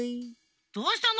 どうしたの？